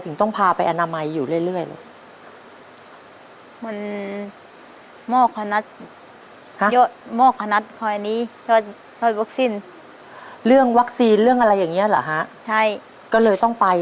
ต้องพาไปอนามัยอยู่เรื่อยเลย